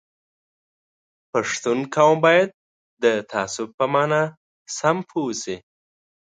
پښتون قوم باید د تعصب په مانا سم پوه شي